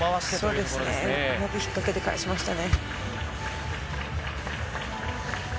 うまく引っ掛けて返しましたね。